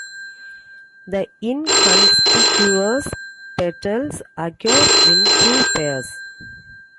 The inconspicuous petals occur in two pairs.